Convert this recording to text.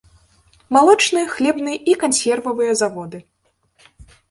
Малочны, хлебны і кансервавыя заводы.